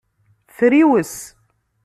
Friwes.